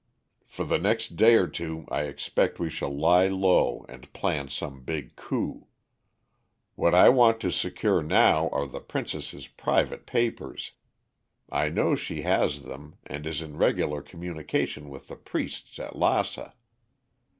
For the next day or two I expect we shall lie low and plan some big coup. "What I want to secure now are the princess' private papers. I know she has them and is in regular communication with the priests at Lassa.